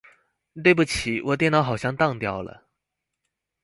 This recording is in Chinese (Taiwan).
對不起我電腦好像當掉了